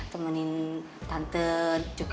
temenin tante juga